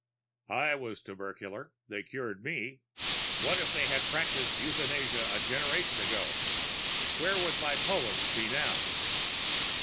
"I was tubercular. They cured me. What if they had practiced euthanasia a generation ago? Where would my poems be now?"